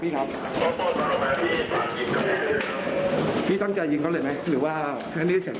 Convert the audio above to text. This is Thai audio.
พี่ครึ่งต้องจะยิงเขาเลยมั้ยหรือว่าหนือถ้าเกิดเหตุ